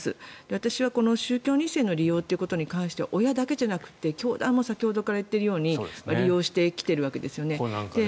私は宗教２世の利用ということに関しては親だけじゃなくて教団も先ほどから言っているように利用してきているわけです。